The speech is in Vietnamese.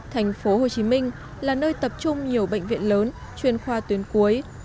thành phố hồ chí minh là nơi tập trung nhiều bệnh viện lớn chuyên khoa tuyến cuối